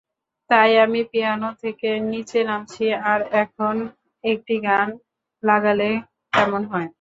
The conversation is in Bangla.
তাই আমি পিয়ানো থেকে নিচে নামছি, আর এখন একটি গান লাগালে কেমন হয়?